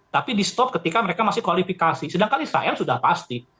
tapi di stop ketika mereka masih kualifikasi sedangkan israel sudah pasti